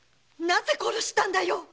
なぜ殺したんだよ